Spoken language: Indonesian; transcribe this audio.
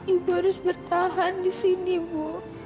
ibu harus bertahan di sini bu